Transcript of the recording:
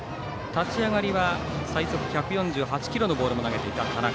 立ち上がりは最速１４８キロのボールも投げていた田中。